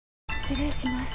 失礼します。